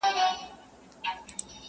زما د آشنا غرونو کيسې کولې٫